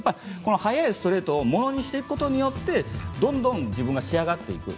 速いストレートをものにしていくことによってどんどん自分が仕上がっていく。